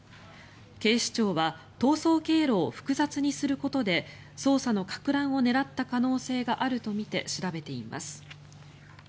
警視庁は逃走経路を複雑にすることで捜査のかく乱を狙った可能性があるとみて調べています。